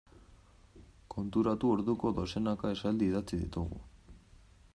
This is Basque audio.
Konturatu orduko dozenaka esaldi idatzi ditugu.